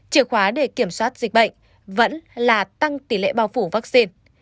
chìa khóa để kiểm soát dịch bệnh vẫn là tăng tỷ lệ bao phủ vaccine